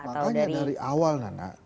makanya dari awal nana